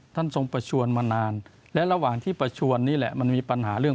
ทรงประชวนมานานและระหว่างที่ประชวนนี่แหละมันมีปัญหาเรื่อง